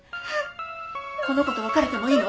この子と別れてもいいの？